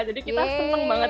jadi kita seneng banget